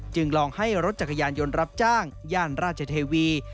ลองให้รถจักรยานยนต์รับจ้างย่านราชเทวี